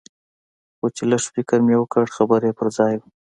خو چې لږ فکر مې وکړ خبره يې پر ځاى وه.